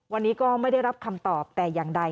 วันนี้ก็ไม่ได้รับคำตอบแต่อย่างใด